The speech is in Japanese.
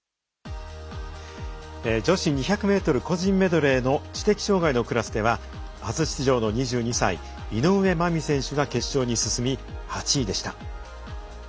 女子２００ｍ個人メドレーの知的障がいのクラスでは初出場の２２歳井上舞美選手が決勝に進み８位でした。